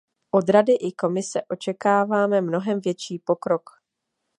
Od Rady i Komise očekáváme mnohem větší pokrok.